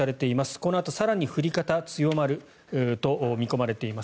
このあと更に降り方が強まると見込まれています。